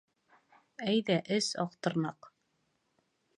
Әйҙә, эс, Аҡтырнаҡ.